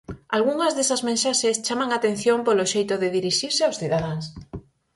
Algunhas desas mensaxes chaman a atención polo xeito de dirixirse aos cidadáns.